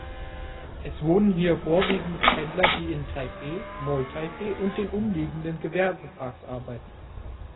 Es wohnen hier vorwiegend Pendler, die in Taipeh, Neu-Taipeh und den umliegenden Gewerbeparks arbeiten.